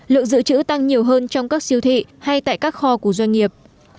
lượng giữ chữ tăng nhiều hơn trong các siêu thị hay tại các kho của doanh nghiệp